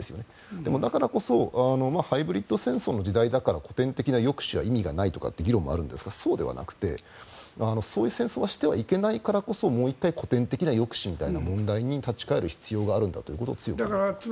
でも、だからこそハイブリッド戦争の時代だから古典的な抑止は意味がないとかという議論もあるんですがそうではなくてそういう戦争はしてはいけないからこそもう１回古典的な抑止みたいな問題に立ち返る必要があるんだということを強く思います。